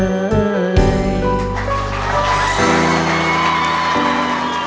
ปลิ้งล้างเบลได้